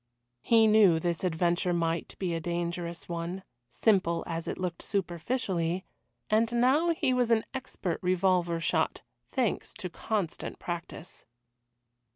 He knew this adventure might be a dangerous one, simple as it looked superficially, and now he was an expert revolver shot, thanks to constant practice.